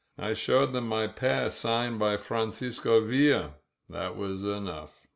I showed them my pass signed by Francisco Villa. That was enough. .